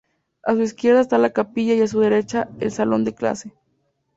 A su izquierda está la capilla y a su derecha el salón de clase.